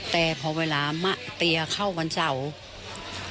แต่พอเวลามะเตียเข้าวันเสาร์